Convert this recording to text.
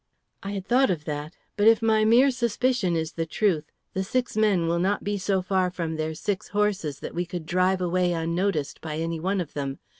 "I had thought of that. But if my mere suspicion is the truth, the six men will not be so far from their six horses that we could drive away unnoticed by any one of them.